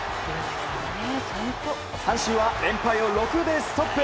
阪神は連敗を６でストップ。